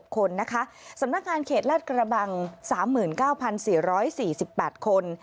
คนนะคะสำนักงานเขตลาดกระบัง๓๙๔๔๘คน